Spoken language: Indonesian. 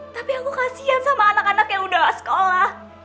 tapi aku kasian sama anak anak yang udah sekolah